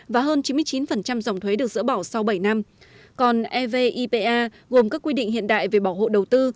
và hơn chín mươi chín dòng thuế được dỡ bỏ sau bảy năm còn evipa gồm các quy định hiện đại về bảo hộ đầu tư